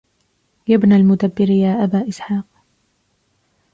يا بن المدبر يا أبا إسحاق